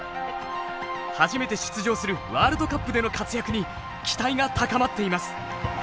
初めて出場するワールドカップでの活躍に期待が高まっています。